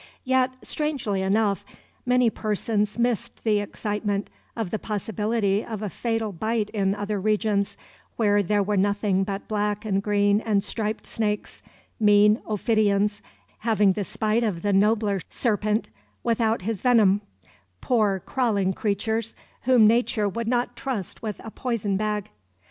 Yet, strangely enough, many persons missed the excitement of the possibility of a fatal bite in other regions, where there were nothing but black and green and striped snakes, mean ophidians, having the spite of the nobler serpent without his venom, poor crawling creatures, whom Nature would not trust with a poison bag.